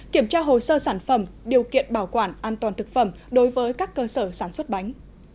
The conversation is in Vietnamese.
kiểm tra hồ sơ sản phẩm điều kiện bảo quản an toàn thực phẩm đối với các cơ sở sản xuất bánh